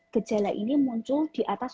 gejala ini muncul di atas